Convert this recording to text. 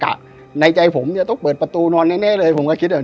สบายตอนนั้นเราก็ร่วงใจว่าเออนี่ถ้าไปอยู่ห้อง๓เนี่ยน่าจะเจอนะแต่นี่ไปอยู่ในห้อง๔คงไม่เป็นไร